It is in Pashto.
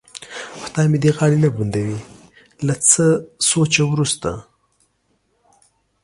خدای مې دې غاړه نه بندوي، له څه سوچه وروسته.